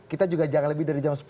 kita juga jangan lebih dari jam sepuluh